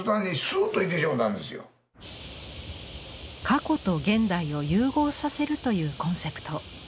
過去と現代を融合させるというコンセプト。